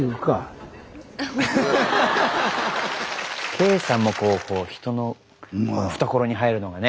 圭さんもこう人の懐に入るのがね。